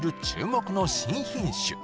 注目の新品種